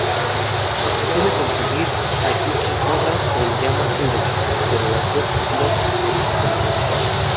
Se suele confundir a Yuki-onna con Yama-uba, pero las dos figuras son distintas.